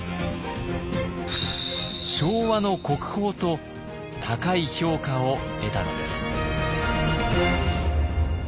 昭和の国宝と高い評価を得たのです。